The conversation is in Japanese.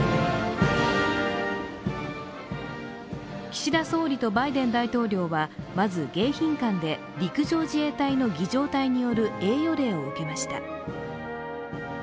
岸田総理とバイデン大統領はまず迎賓館で陸上自衛隊の儀じょう隊による栄誉礼を受けました。